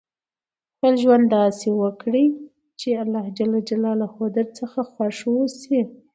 خپل ژوند داسي وکړئ، چي خدای جل جلاله درڅخه خوښ اوسي.